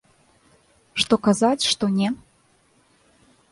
Што казаць, што не?